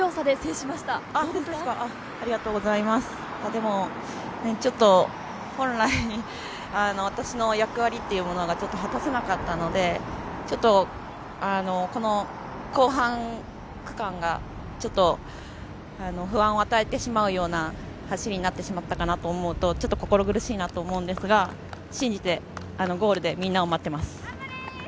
でもちょっと本来、私の役割というものが果たせなかったので、ちょっとこの後半区間が不安を与えてしまうような走りになってしまったかと思うと、ちょっと心苦しいなと思うんですが、信じてゴールでみんなを待ってます。